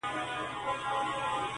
موږ یو چي د دې په سر کي شور وینو-